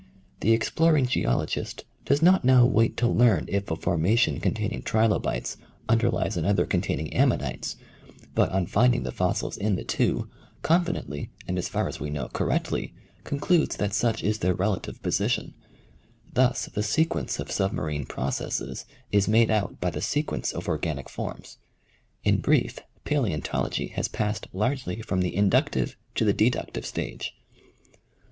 The exploring geologist does not now wait to learn if 3 18 National Geographic Magazine. a formation containing trilobites underlies another containing ammonites, but on finding the fossils in the two, confidently and as far as we know correctly concludes that such is their relative position. Thus the sequence of submarine processes is made out by the sequence of organic forms. In brief, palaeontology has passed largely from the inductive to the deductive stage.